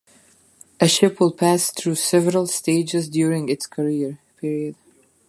A ship will pass through several stages during its career.